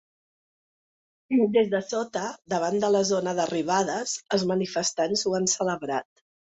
Des de sota, davant de la zona d’arribades, els manifestants ho han celebrat.